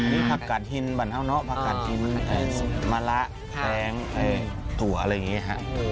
มีผักกาธินมะละแทงถั่วอะไรอย่างนี้ค่ะ